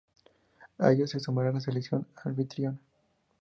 A ellos se sumará la selección anfitriona.